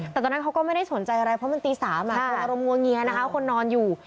แต่ตอนนั้นเขาก็ไม่ได้สนใจอะไรเพราะมันตี๓ดวงอารมณ์งวงเงียนะคะคนนอนอยู่